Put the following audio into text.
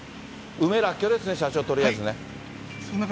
梅、らっきょうですね、社長、とりあえずね。